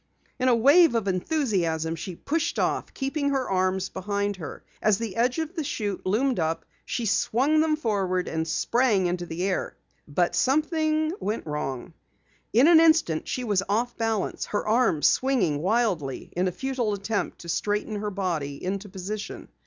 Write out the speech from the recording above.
In a wave of enthusiasm she pushed off, keeping her arms behind her. As the edge of the chute loomed up, she swung them forward and sprang into the air. But something went wrong. In an instant she was off balance, her arms swinging wildly in a futile attempt to straighten her body into position.